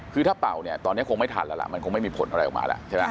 คือถ้าเป่าเนี่ยตอนนี้คงไม่ทันแล้วล่ะมันคงไม่มีผลอะไรออกมาแล้วใช่ไหม